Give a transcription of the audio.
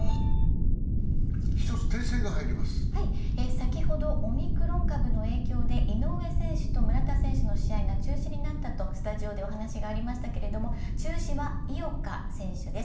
先ほど、オミクロン株の影響で井上選手と村田選手の試合が中止になったとスタジオでお話がありましたけれども、中止は井岡選手です。